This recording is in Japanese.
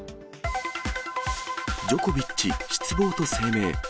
ジョコビッチ、失望と声明。